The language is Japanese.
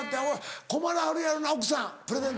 困らはるやろな奥さんプレゼント。